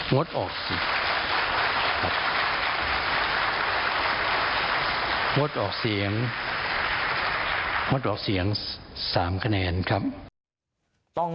งดออกเสียง๓คะแนน